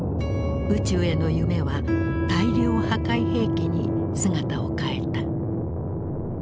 宇宙への夢は大量破壊兵器に姿を変えた。